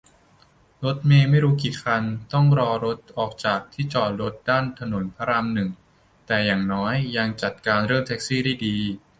รถเมล์ไม่รู้กี่คันต้องรอรถออกจากที่จอดรถด้านถนนพระรามหนึ่ง แต่อย่างน้อยยังจัดการเรื่องแท็กซี่ดี